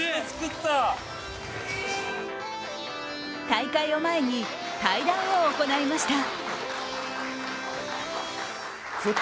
大会を前に対談を行いました。